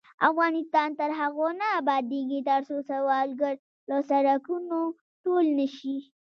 افغانستان تر هغو نه ابادیږي، ترڅو سوالګر له سړکونو ټول نشي.